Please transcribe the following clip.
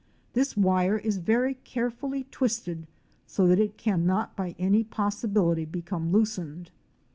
This wire is very carefully twisted so that it can not by any possibility become locsened.